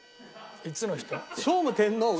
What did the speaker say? いつの人？